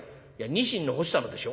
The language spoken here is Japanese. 「ニシンの干したのでしょ？」。